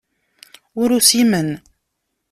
Ur usimen.